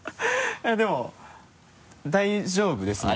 でも大丈夫ですね。